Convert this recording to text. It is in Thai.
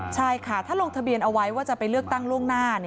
ใช่ค่ะถ้าลงทะเบียนเอาไว้ว่าจะไปเลือกตั้งล่วงหน้า